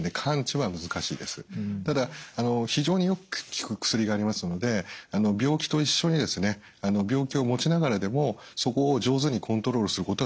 ただ非常によく効く薬がありますので病気と一緒に病気を持ちながらでもそこを上手にコントロールすることができる時代です。